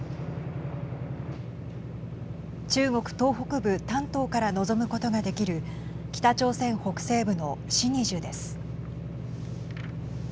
中国東北部丹東から望むことができる北朝鮮北西部のシニジュです。